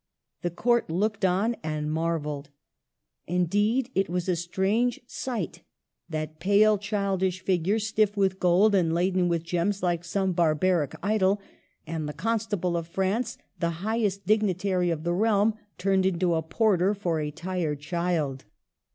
The Court looked on and marvelled. Indeed, it was a strange sight, — that pale, childish figure, stiff with gold, and laden with gems like some bar baric idol ; and the Constable of France^ the highest dignitary of the realm, turned into a porter for a tired child.